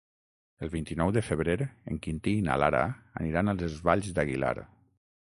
El vint-i-nou de febrer en Quintí i na Lara aniran a les Valls d'Aguilar.